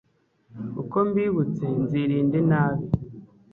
uko mbibutse nzirinda inabi